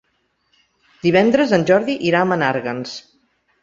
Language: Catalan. Divendres en Jordi irà a Menàrguens.